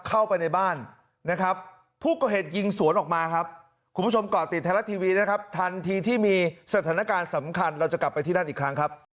เข้าไปในบ้านนะครับ